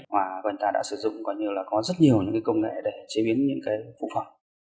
và chúng ta đã sử dụng có rất nhiều công nghệ để chế biến những phụ phẩm